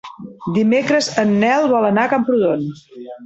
Dimecres en Nel vol anar a Camprodon.